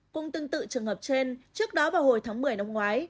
cũng tương tự trường hợp trên trước đó vào hồi tháng một mươi năm ngoái